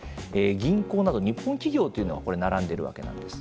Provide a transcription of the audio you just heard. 銀行など日本企業というのが並んでいるわけなんです。